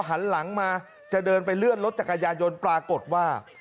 หันหลังมาจะเดินไปเลื่อนรถจักรยายนปรากฏว่า